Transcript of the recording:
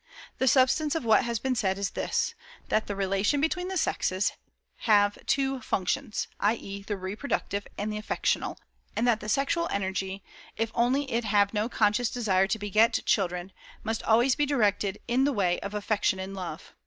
The substance of what has been said is this: that the relation between the sexes have two functions, i. e., the reproductive, and the affectional; and that the sexual energy, if only it have no conscious desire to beget children, must be always directed in the way of affection and love.